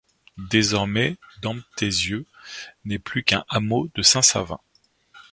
Désormais Demptézieu n'est plus qu'un hameau de Saint-Savin.